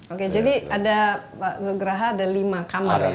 oke jadi ada pak zugraha ada lima kamar ya